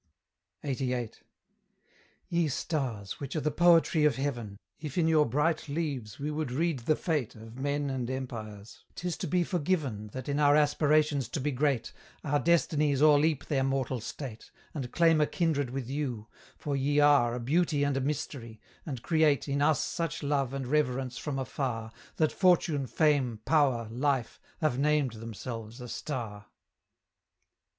LXXXVIII. Ye stars! which are the poetry of heaven, If in your bright leaves we would read the fate Of men and empires, 'tis to be forgiven, That in our aspirations to be great, Our destinies o'erleap their mortal state, And claim a kindred with you; for ye are A beauty and a mystery, and create In us such love and reverence from afar, That fortune, fame, power, life, have named themselves a star.